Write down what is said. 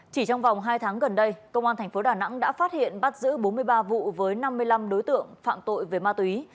chỉ trong vòng hai tháng gần đây công an tp đà nẵng đã phát hiện bắt giữ bốn mươi ba vụ với năm mươi năm đối tượng phạm tội về ma túy